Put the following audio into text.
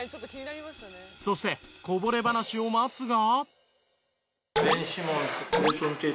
そしてこぼれ話を待つが。